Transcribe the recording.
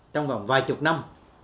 trong vòng vài chục năm